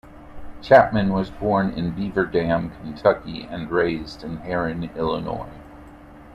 Chapman was born in Beaver Dam, Kentucky, and raised in Herrin, Illinois.